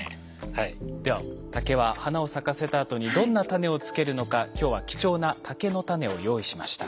では竹は花を咲かせたあとにどんなタネをつけるのか今日は貴重な竹のタネを用意しました。